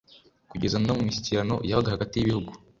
kugeza no mu mishyikirano yabaga hagati y'ibihugu.